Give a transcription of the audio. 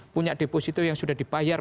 punya deposito yang sudah dibayar